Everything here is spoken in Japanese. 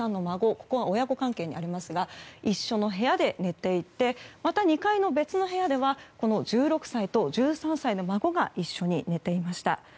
ここは親子関係にありますが一緒の部屋で寝ていてまた２階の別の部屋では１６歳と１３歳の孫が一緒に寝ていました。